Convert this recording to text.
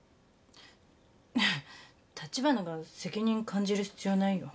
立花が責任感じる必要ないよ。